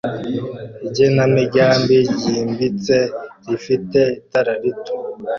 Igenamigambi ryimbitse rifite itara rito